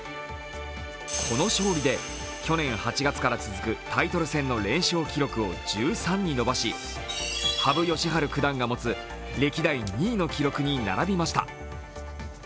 この勝利で去年８月から続くタイトル戦の連勝記録を１３に伸ばし、羽生善治九段が持つ歴代２位の記録に並びました。